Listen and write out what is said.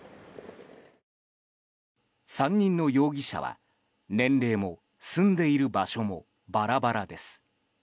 ３人の容疑者は、年齢も住んでいる場所もバラバラです。